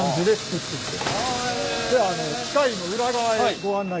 じゃあ機械の裏側へご案内します。